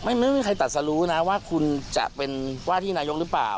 ไม่มีใครตัดสรุนะว่าคุณจะเป็นว่าที่นายกหรือเปล่า